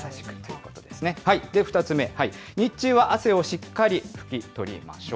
２つ目、日中は汗をしっかり拭き取りましょう。